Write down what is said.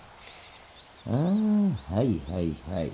あはいはいはい。